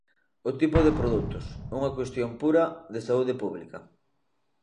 O tipo de produtos, unha cuestión pura de saúde pública.